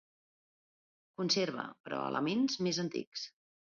Conserva, però, elements més antics.